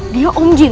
dia om jin